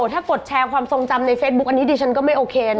ถ้ากดแชร์ความทรงจำในเฟซบุ๊คอันนี้ดิฉันก็ไม่โอเคนะ